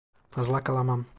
Fazla kalamam.